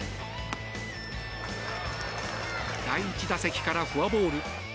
第１打席からフォアボール。